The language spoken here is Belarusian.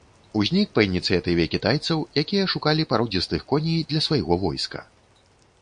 Узнік па ініцыятыве кітайцаў, якія шукалі пародзістых коней для свайго войска.